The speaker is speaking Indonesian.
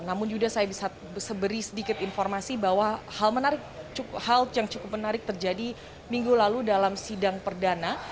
namun yuda saya bisa seberi sedikit informasi bahwa hal yang cukup menarik terjadi minggu lalu dalam sidang perdana